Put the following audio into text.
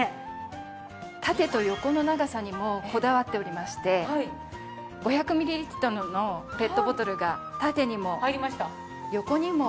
縦と横の長さにもこだわっておりまして５００ミリリットルのペットボトルが縦にも横にも。